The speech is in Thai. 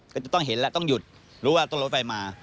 ก็จะต้องเห็นแล้วต้องหยุดรู้ว่าต้องรถไฟมา